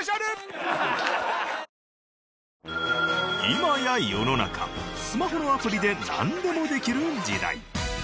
今や世の中スマホのアプリでなんでもできる時代。